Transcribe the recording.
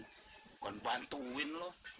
bukan bantuin loh